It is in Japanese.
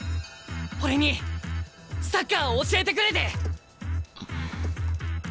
俺にサッカーを教えてくれて！